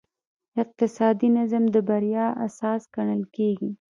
اقتصادي نظم د بریا اساس ګڼل کېږي.